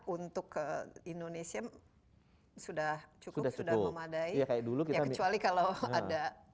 untuk indonesia sudah cukup sudah memadai